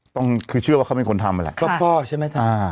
ต้องคือเชื่อว่าเขาไม่ควรทำอะไรก็พ่อใช่ไหมครับอ่า